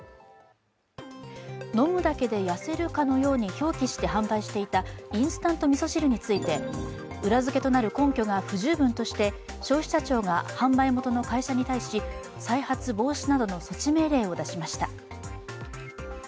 飲むだけで痩せるかのように表記して販売していたインスタント味噌汁について裏付けとなる根拠が不十分として消費者庁が販売元の会社に対し、再発防止などの措置命令を出しました。